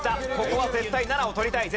ここは絶対７を取りたい。